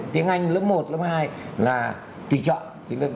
tiếng anh lớp một lớp hai là tùy chọn